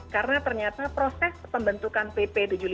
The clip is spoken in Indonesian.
karena ternyata proses pembentukan pp no tujuh puluh lima